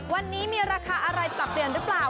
วันนี้มีราคาอะไรปรับเปลี่ยนหรือเปล่า